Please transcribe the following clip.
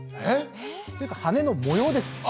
っていうか羽の模様です。